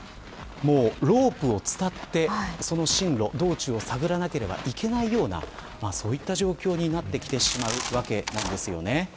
ロープをつたってその道中を探らなければいけないようなそのような状況になってしまうわけなんですよね。